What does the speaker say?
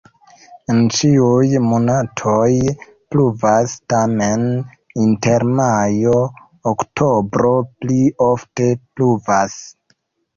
En ĉiuj monatoj pluvas, tamen inter majo-oktobro pli ofte pluvas.